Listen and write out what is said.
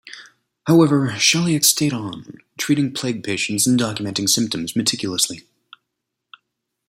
However, Chauliac stayed on, treating plague patients and documenting symptoms meticulously.